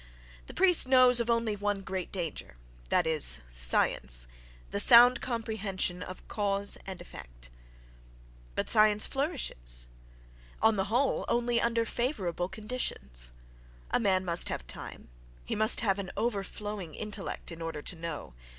—The priest knows of only one great danger: that is science—the sound comprehension of cause and effect. But science flourishes, on the whole, only under favourable conditions—a man must have time, he must have an overflowing intellect, in order to "know."...